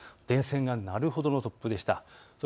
電線が鳴るほどの突風でした。